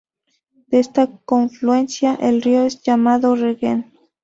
De esta confluencia, el río es llamado Regen.